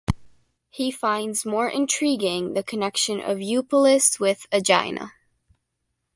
He finds more intriguing the connection of Eupolis with Aegina.